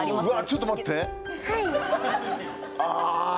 ちょっと待ってああ